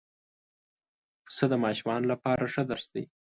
پسه د ماشومانو لپاره ښه درس دی.